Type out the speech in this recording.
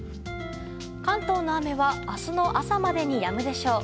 関東の雨は、明日の朝までにやむでしょう。